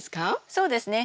そうですね。